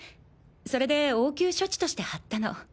それで応急処置として貼ったの。